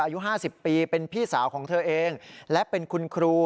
อายุ๕๐ปีเป็นพี่สาวของเธอเองและเป็นคุณครู